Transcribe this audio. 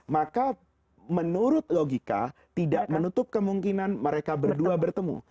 maka menurut logika tidak menutup kemungkinan mereka berdua bertemu